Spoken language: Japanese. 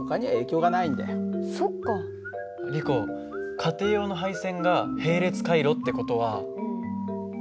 家庭用の配線が並列回路って事は。